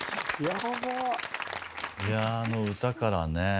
いやあの歌からね